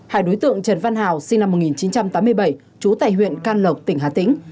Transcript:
hai đối tượng trần văn hào sinh năm một nghìn chín trăm tám mươi bảy trú tại huyện can lộc tỉnh hà tĩnh